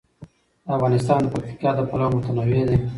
افغانستان د پکتیکا له پلوه متنوع دی.